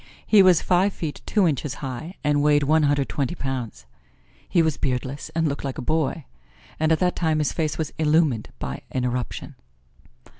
He was five feet two inches high and weighed one hundred twenty pounds. He was beardless and looked like a boy, and at that time his face was illumined by an eruption.